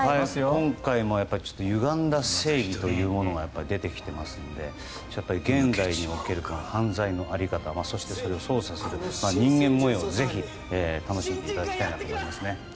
今回もゆがんだ正義というものが出てきていますので現代における犯罪の在り方そしてそれを捜査する人間模様をぜひ、楽しんでいただきたいなと思いますね。